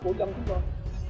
của dân chúng tôi